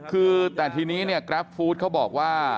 คือแต่ทีนี้เนี่ยกราฟฟู้ดเขาบอกว่า